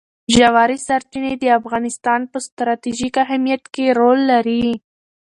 ژورې سرچینې د افغانستان په ستراتیژیک اهمیت کې رول لري.